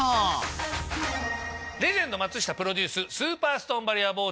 レジェンド松下プロデューススーパーストーンバリア